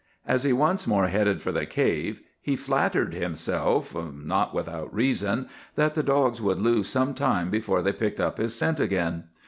"As he once more headed for the cave, he flattered himself, not without reason, that the dogs would lose some time before they picked up his scent again.